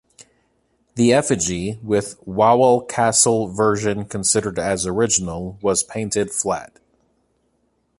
The effigy, with Wawel Castle version considered as original, was painted flat.